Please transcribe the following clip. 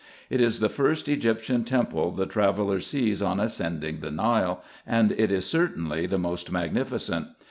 It is the first Egyptian temple the tra veller sees on ascending the Nile, and it is certainly the most magnificent.